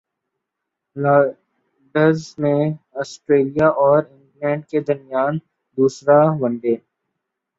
Lords میں Australia اور England کے درمیان دوسرا ون ڈے